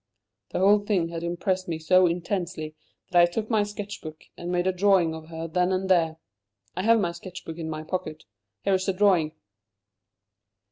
The whole thing had impressed me so intensely that I took my sketch book and made a drawing of her then and there. I have my sketch book in my pocket here is the drawing."